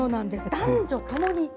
男女ともに。